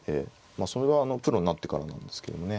まあそれはプロになってからなんですけどもね。